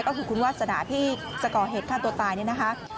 ก็คือคุณวาสนาที่จะก่อเหตุฆ่าตัวตายเนี่ยนะคะ